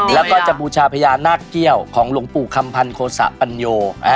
แล้วก็จะบูชาพญานาคเกี่ยวของหลวงปู่คำพันธ์โคสะปัญโย